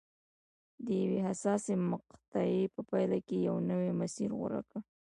د یوې حساسې مقطعې په پایله کې یې نوی مسیر غوره کړ.